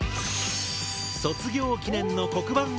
卒業記念の黒板